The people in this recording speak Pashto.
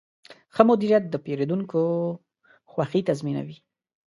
ښه مدیریت د پیرودونکو خوښي تضمینوي.